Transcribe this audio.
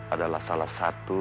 adalah salah satu